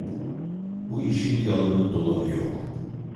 Bu işin yalanı, dolanı yok…